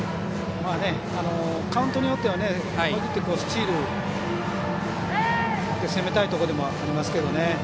カウントによってはスチールで攻めたいところでもありますが。